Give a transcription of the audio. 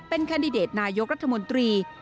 แคนดิเดตนายกรัฐมนตรี